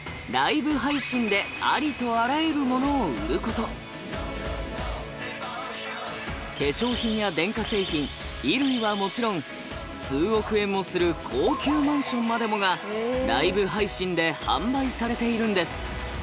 そんな化粧品や電化製品衣類はもちろん数億円もする高級マンションまでもがライブ配信で販売されているんです。